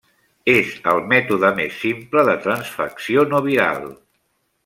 És el mètode més simple de transfecció no viral.